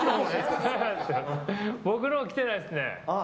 僕のが来てないですね。